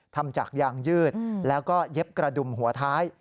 ทำจากยางยืดแล้วก็เย็บกระดุมหัวท้าย